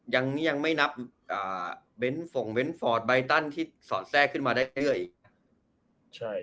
ยังไม่นับเบนท์ฟองเบนท์ฟอร์ดใบตันที่สอนแทรกขึ้นมาได้เท่าไหร่